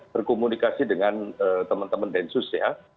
berkomunikasi dengan teman teman densus ya